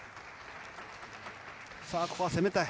さあ、ここは攻めたい。